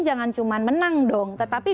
jangan cuma menang dong tetapi